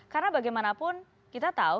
karena bagaimanapun kita tahu